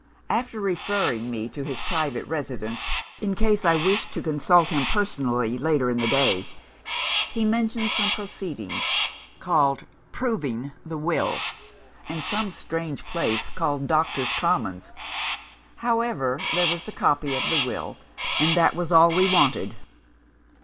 After referring me to his private residence, in case I wished to consult him personally later in the day, he mentioned some proceeding, called 'proving the Will,' and some strange place called 'Doctors' Commons.' However, there was the copy of the Will, and that was all we wanted.